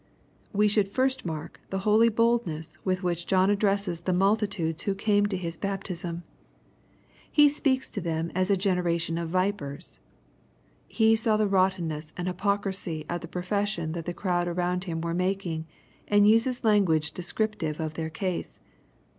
We should first mark the holy boldness with which John addresses the multitudes who came to his baptism^ He speaks to them as " a generation of vipers." He saw the rottenness and hypocrisy of the profession that the crowd around him were making, and uses language descriptive of their case.